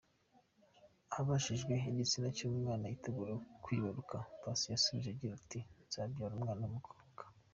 Abajijwe igitsina cy’umwana yiteguye kwibaruka Passy yasubije agira ati: “Nzabyara umwana w’umukobwa.